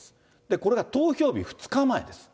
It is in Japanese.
これが投票日２日前です。